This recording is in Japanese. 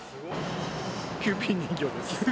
キューピー人形です。